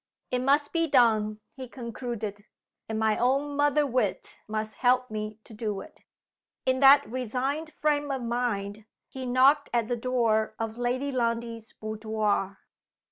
"It must be done," he concluded. "And my own mother wit must help me to do it." In that resigned frame of mind he knocked at the door of Lady Lundie's boudoir.